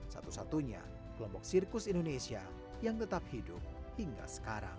satu satunya kelompok sirkus indonesia yang tetap hidup hingga sekarang